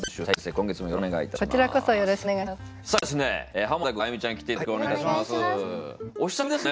今月もよろしくお願いいたします。